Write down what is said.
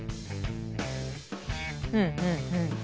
うんうん。